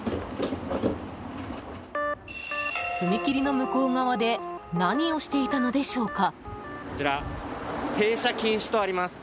踏切の向こう側で何をしていたのでしょうか。